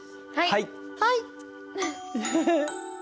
はい。